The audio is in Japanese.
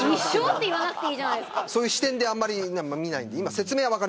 そういう視点であんまり見ないんで。